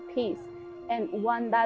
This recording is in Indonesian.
mereka bisa memberikan keamanan